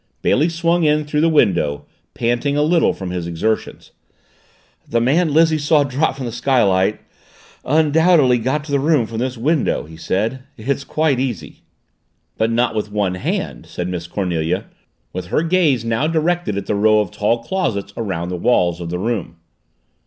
Bailey swung in through the window, panting a little from his exertions. "The man Lizzie saw drop from the skylight undoubtedly got to the roof from this window," he said. "It's quite easy." "But not with one hand," said Miss Cornelia, with her gaze now directed at the row of tall closets around the walls of the room.